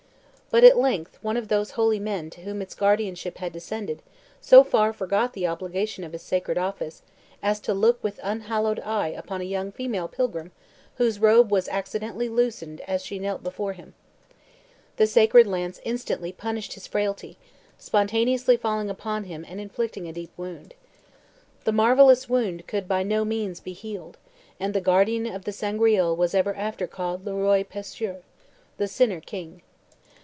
But at length one of those holy men to whom its guardianship had descended so far forgot the obligation of his sacred office as to look with unhallowed eye upon a young female pilgrim whose robe was accidentally loosened as she knelt before him. The sacred lance instantly punished his frailty, spontaneously falling upon him, and inflicting a deep wound. The marvellous wound could by no means be healed, and the guardian of the Sangreal was ever after called "Le Roi Pescheur," The Sinner King.